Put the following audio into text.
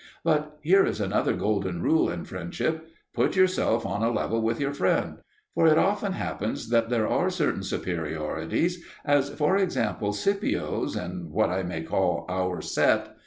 But here is another golden rule in friendship: put yourself on a level with your friend. For it often happens that there are certain superiorities, as for example Scipio's in what I may call our set.